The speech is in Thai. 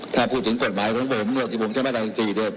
ถ้าพูดถึงกฎหมายของผมเนอะที่ผมใช้มาตราสี่สี่เดียว